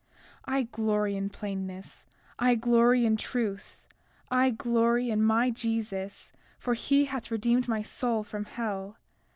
33:6 I glory in plainness; I glory in truth; I glory in my Jesus, for he hath redeemed my soul from hell.